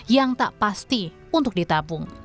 yang tak pasti untuk ditabung